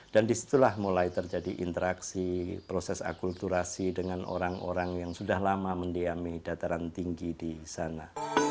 dan disitulah mulai terjadi interaksi proses akulturasi dengan orang orang yang sudah lama mendiami dataran tinggi di sana